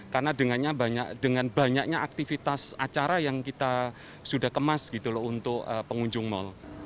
karena dengan banyaknya aktivitas acara yang kita sudah kemas gitu loh untuk pengunjung mal